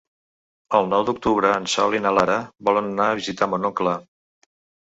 El nou d'octubre en Sol i na Lara volen anar a visitar mon oncle.